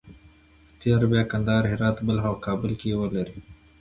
په تېره بیا کندهار، هرات، بلخ او کابل کې یې ولري.